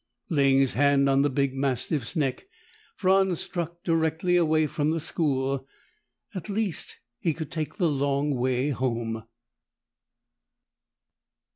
Laying his hand on the big mastiff's neck, Franz struck directly away from the school. At least, he could take the long way home.